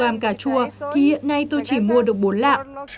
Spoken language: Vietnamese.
và một kg cà chua thì hiện nay tôi chỉ mua được bốn lạ